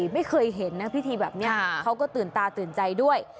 ไม่เคยเห็นนะพิธีแบบนี้เขาก็ตื่นตาตื่นใจด้วย